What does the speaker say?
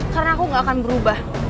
karena aku gak akan berubah